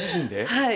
はい。